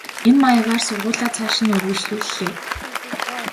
Энэ маягаар сургуулиа цааш нь үргэлжлүүллээ.